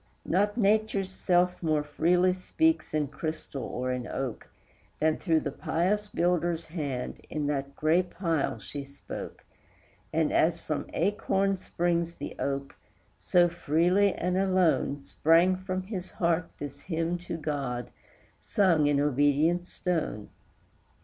Not Nature's self more freely speaks in crystal or in oak, Than, through the pious builder's hand, in that gray pile she spoke; And as from acorn springs the oak, so, freely and alone, Sprang from his heart this hymn to God, sung in obedient stone.